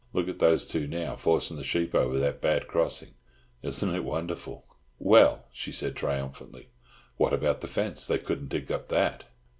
Look at those two now, forcing the sheep over that bad crossing. Isn't it wonderful?" "Well," she said, triumphantly, "what about the fence? They couldn't dig up that."